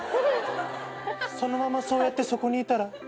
そのままそうやってそこにいたら？